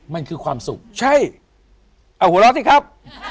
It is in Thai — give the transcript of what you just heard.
มันคือความสุขใช่เอาหัวเราะสิครับ